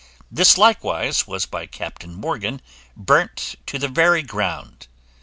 This likewise was by Captain Morgan burnt to the very ground.